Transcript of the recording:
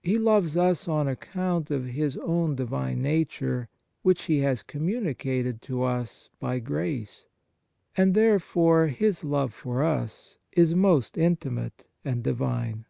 He loves us on account of His own Divine Nature, which He has communicated to us by grace, and there fore His love for us is most intimate and Divine.